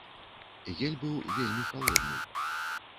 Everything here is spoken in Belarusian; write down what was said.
Гель быў вельмі халодны.